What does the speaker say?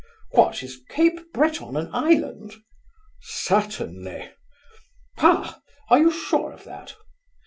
"What! is Cape Breton an island?" "Certainly." "Ha! are you sure of that?"